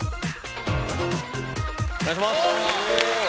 お願いします！